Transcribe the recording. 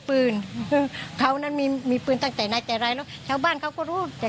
ปืนเขานั้นมีปืนตั้งแต่ในใจร้ายแล้วชาวบ้านเขาก็รู้แต่